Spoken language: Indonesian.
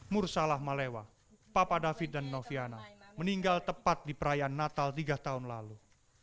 mursalah malewa papa david dan noviana meninggal tepat di perayaan natal tiga tahun lalu